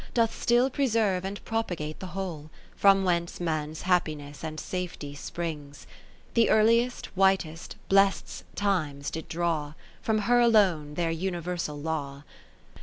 Doth still preserve and propagate the whole, From whence man's happiness and safety springs : The earliest, whitest, blessed'st times did draw From her alone their universal Law.